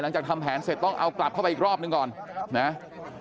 ทำแผนเสร็จต้องเอากลับเข้าไปอีกรอบหนึ่งก่อนนะ